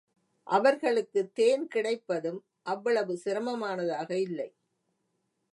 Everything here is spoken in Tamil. அவர்களுக்குத் தேன் கிடைப்பதும் அவ்வளவு சிரமமானதாக இல்லை.